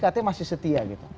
katanya masih setia gitu